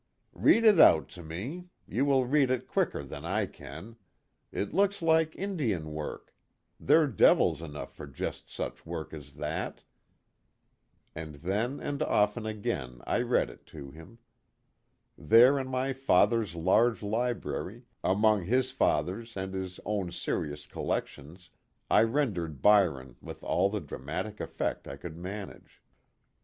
" Read it out to me you will read it quicker than I can ! It looks like Indian work they're devils enough for just such work as that " and then and often again I read it to him; there in my father's large library, among his father's and his own serious collec tions, I rendered Byron with all the dramatic effect I could manage.